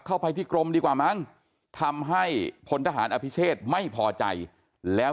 เข้าไปที่กรมดีกว่ามั้งทำให้พลทหารอภิเชษไม่พอใจแล้ว